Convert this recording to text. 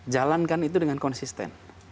jalankan itu dengan konsisten